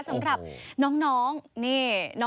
สำหรับน้องนี่